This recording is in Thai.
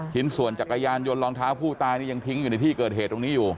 ชิ้นส่วนจักรยานยนต์รองเท้าผู้ตายนี่ยังทิ้งอยู่ในที่เกิดเหตุตรงนี้อยู่